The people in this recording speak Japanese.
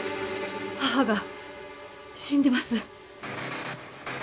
義母が死んでます。